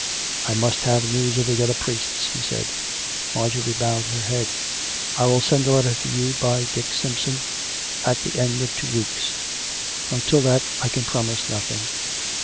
" I must have news of the other priests," he said. Marjorie bowed her head. " I will send a letter to you by Dick Sampson at the end of two weeks. Until that I can promise nothing.